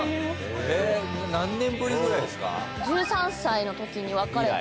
えっ何年ぶりぐらいですか？